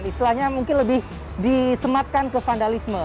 istilahnya mungkin lebih disematkan ke vandalisme